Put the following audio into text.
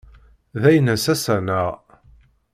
D aynas ass-a, naɣ?